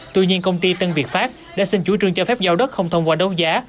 tuy nhiên công ty tân việt pháp đã xin chủ trương cho phép giao đất không thông qua đấu giá